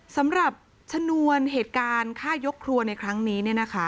สำหรับชนวนเหตุการณ์ฆ่ายกครัวในครั้งนี้